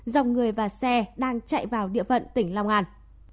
dòng người và xe đang chạy vào địa phận tỉnh long an